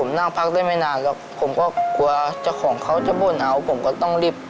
มันเป็นอย่างไร